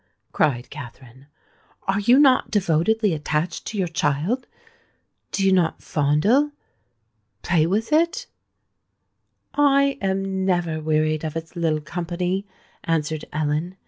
cried Katherine. "Are you not devotedly attached to your child? do you not fondle—play with it?" "I am never wearied of its little company," answered Ellen.